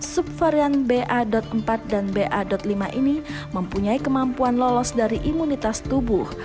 subvarian ba empat dan ba lima ini mempunyai kemampuan lolos dari imunitas tubuh